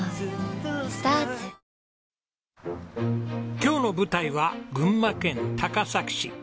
今日の舞台は群馬県高崎市。